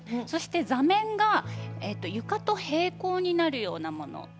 座面が床と平行になるようなもの。